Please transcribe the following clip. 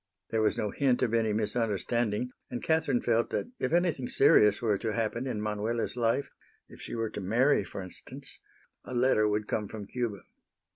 There was no hint of any misunderstanding, and Catherine felt that if anything serious were to happen in Manuela's life, if she were to marry, for instance, a letter would come from Cuba.